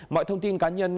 mọi thông tin cá nhân